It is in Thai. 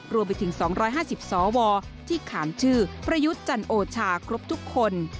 รวมไปถึง๒๕๐สวที่ขามชื่อประยุทธ์จันโอชาครบทุกคน